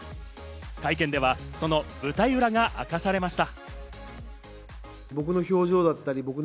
会見ではその舞台裏が明かされました。